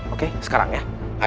oke sekarang ya